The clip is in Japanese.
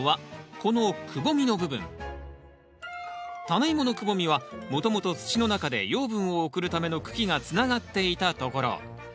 タネイモのくぼみはもともと土の中で養分を送るための茎がつながっていたところ。